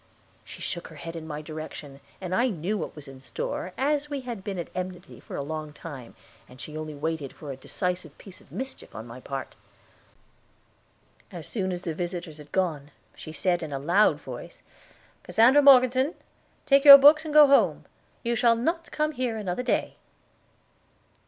She shook her head in my direction, and I knew what was in store, as we had been at enmity a long time, and she only waited for a decisive piece of mischief on my part. As soon as the visitors had gone, she said in a loud voice: "Cassandra Morgeson, take your books and go home. You shall not come here another day."